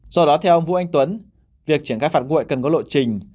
do đó theo ông vũ anh tuấn việc triển khai phản ngội cần có lộ trình